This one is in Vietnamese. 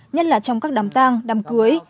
nhất là trong các đám tăng đám cưới